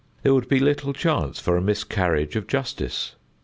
There would be little chance for a miscarriage of justice.